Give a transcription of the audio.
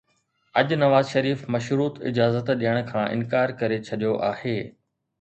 اڄ نواز شريف مشروط اجازت ڏيڻ کان انڪار ڪري ڇڏيو آهي.